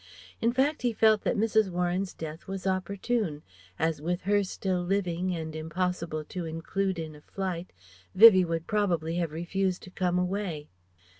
In fact he felt that Mrs. Warren's death was opportune, as with her still living and impossible to include in a flight, Vivie would probably have refused to come away.